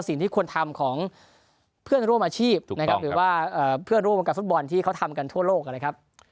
แล้วก็สิ่งที่ควรทำของเพื่อนร่วมอาชีพหรือว่าเพื่อนร่วมกับฟุตบอลที่เขาทำกันทั่วโลก